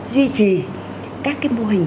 duy trì các cái mô hình